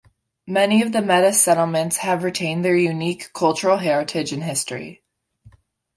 Many of the Metis Settlements have retained their unique cultural heritage and history.